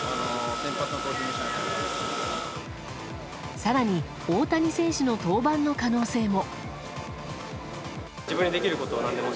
更に、大谷選手の登板の可能性も。